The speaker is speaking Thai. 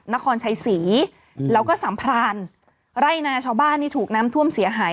นครชัยศรีแล้วก็สัมพรานไร่นาชาวบ้านนี่ถูกน้ำท่วมเสียหาย